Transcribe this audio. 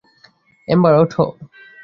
Ember, ওঠো।